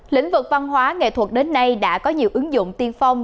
lĩnh vực văn hóa nghệ thuật đến nay đã có nhiều ứng dụng tiên phong